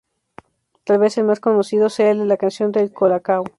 Tal vez el más conocido sea el de "La canción del Cola-Cao".